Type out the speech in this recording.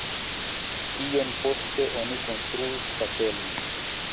Iom poste oni konstruis kapelon.